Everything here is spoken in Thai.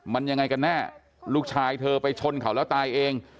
มันยังไงกันแน่ลูกชายเธอไปชนเขาแล้วตายเอง